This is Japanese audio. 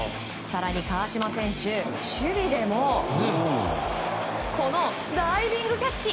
更に川島選手守備でもこのダイビングキャッチ！